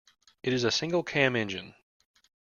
It is a single cam engine.